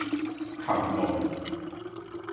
磕挵